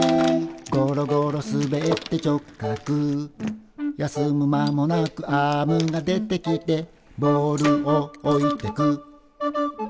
「ゴロゴロ滑って直角」「休む間もなくアームが出てきて」「ボールを置いてく」